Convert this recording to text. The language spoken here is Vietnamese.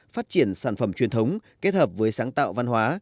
phát triển sản phẩm truyền thống kết hợp với sáng tạo văn hóa